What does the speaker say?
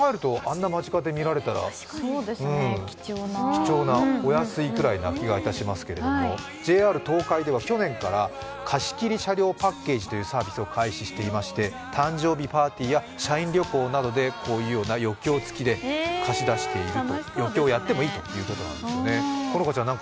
貴重な、お安いくらいという気がいたしますけれどもＪＲ東海では去年から貸切車両パッケージというサービスを実施していまして誕生日パーティーや社員旅行などでこういうような余興つきで余興やってもいいということなんですね。